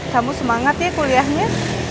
kamu semangat ya kuliahnya